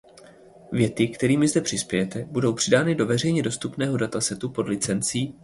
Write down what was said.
Věty, kterými zde přispějete, budou přidány do veřejně dostupného datasetu pod licencí